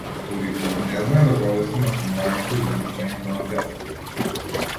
Дури и кога не знае да го објасни настанувањето или значењето на песната.